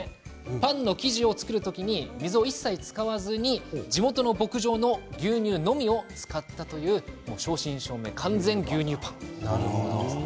パンの生地を作る時に水を一切使わずに地元の牧場の牛乳のみを使っているという正真正銘、完全の牛乳パンです。